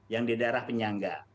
yang di daerah penyangga